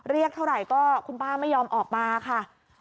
เรียกเท่าไหร่ก็คุณป้าไม่ยอมออกมาค่ะ